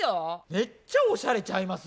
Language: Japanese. めっちゃおしゃれちゃいます？